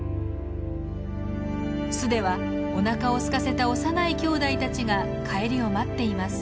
巣ではおなかをすかせた幼いきょうだいたちが帰りを待っています。